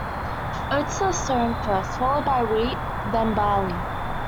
Oats are sown first, followed by wheat, then barley.